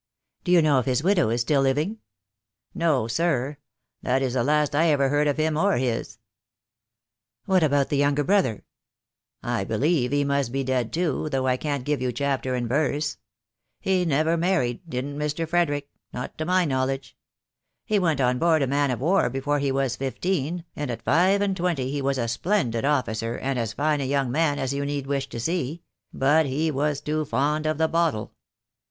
"Do you know if his widow is still living?" "No, sir. That is the last I ever heard of him or his." "What about the younger brother?" "I believe he must be dead too, though I can't give 170 THE DAY WILL COME. you chapter and verse. He never married, didn't Mr. Frederick — not to my knowledge. He went on board a man of war before he was fifteen, and at five and twenty he was a splendid officer and as fine a young man as you need wish to see; but he was too fond of the bottle.